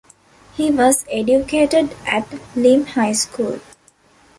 He was educated at Lymm High School.